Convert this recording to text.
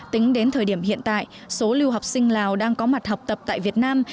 tính đến thời điểm hiện tại số lưu học sinh lào đang có mặt học tập tại việt nam